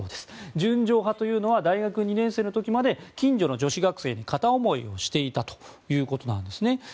純情派というのは大学２年生の時まで近所の女子学生に片思いをしていたということなんですね。